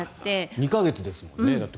２か月ですもんね。